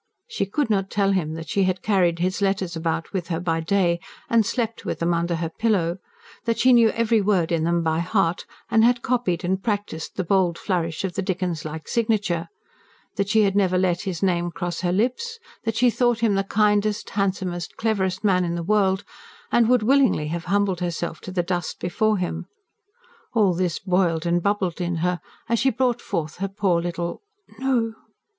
She could not tell him that she had carried his letters about with her by day, and slept with them under her pillow; that she knew every word in them by heart, and had copied and practised the bold flourish of the Dickens like signature; that she had never let his name cross her lips; that she thought him the kindest, handsomest, cleverest man in the world, and would willingly have humbled herself to the dust before him: all this boiled and bubbled in her, as she brought forth her poor little "no."